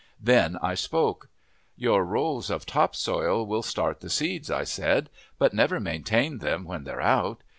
Then I spoke. "Your rows of top soil will start the seeds," I said, "but never maintain them when they're out.